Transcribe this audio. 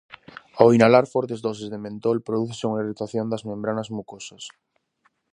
Ao inhalar fortes doses de mentol prodúcese unha irritación das membranas mucosas.